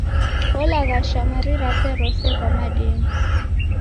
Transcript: Olaghasha mali rape rose kwa madeni.